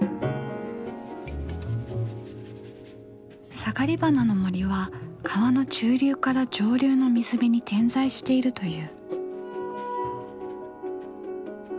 サガリバナの森は川の中流から上流の水辺に点在しているという。